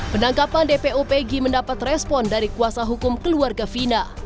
penangkapan dpo pegi mendapat respon dari kuasa hukum keluarga fina